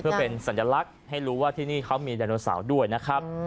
เพื่อเป็นสัญลักษณ์ให้รู้ว่าที่นี่เขามีไดโนเสาร์ด้วยนะครับ